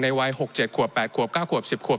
ในวัย๖๗ขวบ๘๙๑๐ขวบ